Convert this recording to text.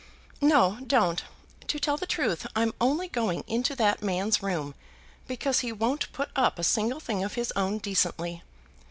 "No, don't. To tell the truth I'm only going into that man's room because he won't put up a single thing of his own decently.